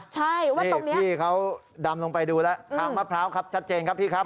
ใช่นี่พี่เขาดำลงไปดูแล้วทางมะพร้าวครับชัดเจนครับพี่ครับ